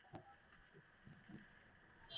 Load হতে সময় নেয়।